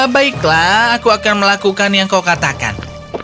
baiklah aku akan melakukan yang kau katakan